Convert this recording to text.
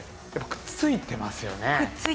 くっついてますね。